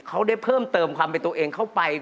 เขาได้เพิ่มเติมความเป็นตัวเองเข้าไป